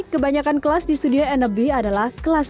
kebanyakan kelas di studia nlb adalah kelas kelas